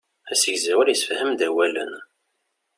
Asegzawal issefham-d awalen.